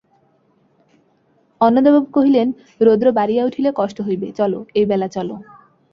অন্নদাবাবু কহিলেন, রৌদ্র বাড়িয়া উঠিলে কষ্ট হইবে, চলো, এইবেলা চলো।